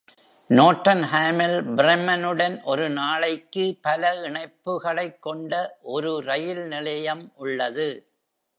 நோர்டன்ஹாமில் ப்ரெமனுடன் ஒரு நாளைக்கு பல இணைப்புகளைக் கொண்ட ஒரு ரயில் நிலையம் உள்ளது.